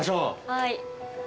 はい。